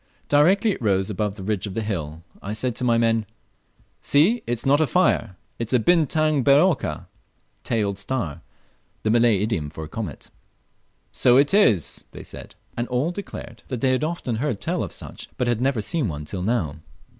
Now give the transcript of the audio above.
Directly it rose above the ridge of the hill, I said to my men, "See, it's not a fire, it's a bintang ber ekor" ("tailed star," the Malay idiom for a comet). "So it is," said they; and all declared that they had often heard tell of such, but had never seen one till now.